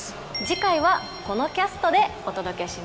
次回はこのキャストでお届けします。